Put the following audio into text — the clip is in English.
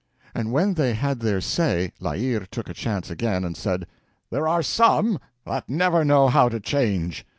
And when they had said their say, La Hire took a chance again, and said: "There are some that never know how to change.